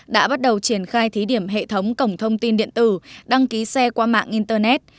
đã bắt đầu triển khai thí điểm hệ thống cổng thông tin điện tử đăng ký xe qua mạng internet